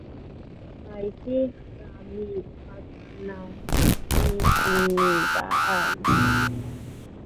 maydih kami pakanamuh i cinizaan